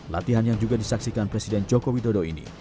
latihan yang juga disaksikan presiden joko widodo ini